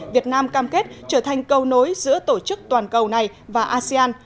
việt nam cam kết trở thành câu nối giữa tổ chức toàn cầu này và asean